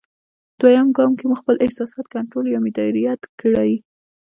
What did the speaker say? دوېم ګام کې مو خپل احساسات کنټرول یا مدیریت کړئ.